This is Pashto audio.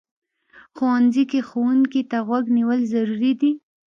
ښوونځی کې ښوونکي ته غوږ نیول ضروري دي